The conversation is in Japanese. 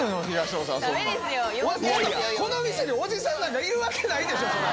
この店でおじさんなんかいるわけないでしょそら。